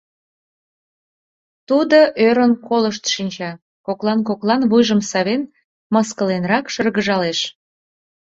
Тудо ӧрын колышт шинча, коклан-коклан вуйжым савен, мыскыленрак шыргыжалеш.